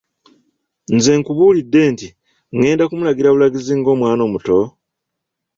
Nze nkubuulidde nti ng'enda kumulagira bulagizi ng'omwana omuto?